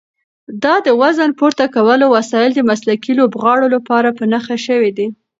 دا د وزن پورته کولو وسایل د مسلکي لوبغاړو لپاره په نښه شوي دي.